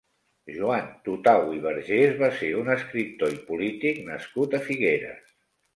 Joan Tutau i Vergés va ser un escriptor i polític nascut a Figueres.